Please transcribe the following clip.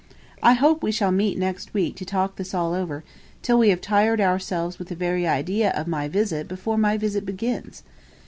I hope we shall meet next week to talk all this over, till we have tired ourselves with the very idea of my visit before my visit begins.